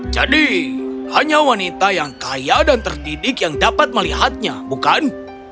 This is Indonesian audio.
jadi hanya wanita yang kaya dan terdidik yang dapat melihatnya bukan